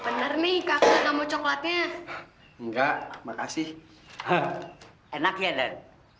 bener nih kakek kamu coklatnya enggak makasih enak ya dan